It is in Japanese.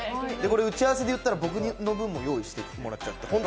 打ち合わせで言ったら僕の分も用意してもらっちゃって。